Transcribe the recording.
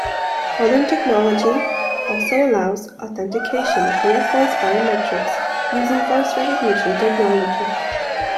Modern technology also allows authentication via voice biometrics using voice recognition technology.